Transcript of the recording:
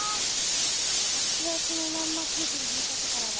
アツアツのまんま空気に触れちゃったからだ。